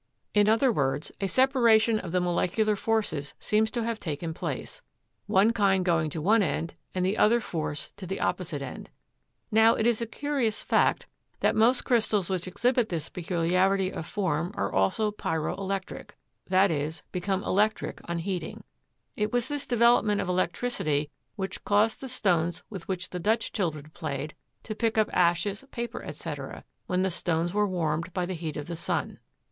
In other words, a separation of the molecular forces seems to have taken place, one kind going to one end and the other force to the opposite end. Now, it is a curious fact that most crystals which exhibit this peculiarity of form are also pyroelectric, i. e., become electric on heating. It was this development of electricity which caused the stones with which the Dutch children played, to pick up ashes, paper, etc., when the stones were warmed by the heat of the sun.